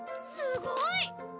すごい！